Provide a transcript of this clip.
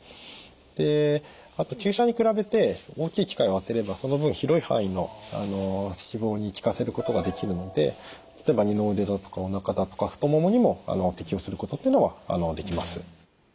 であと注射に比べて大きい機械を当てればその分広い範囲の脂肪に効かせることができるので例えば二の腕だとかおなかだとか太ももにも適用することっていうのはできます。